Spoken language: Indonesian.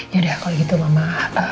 ya udah kalau gitu mama